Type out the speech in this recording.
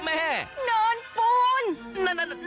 โอ้โฮตกใจอะไรขนาดนั้นแหละครับ